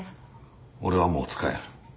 俺はもう使えん。